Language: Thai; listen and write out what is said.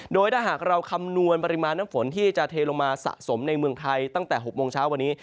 โดยถ้าหากเราคำนวณปริมาณน้ำฝนที่จะเทลงมาสะสมในเมืองไทยตั้งแต่๖โมงเช้าวันนี้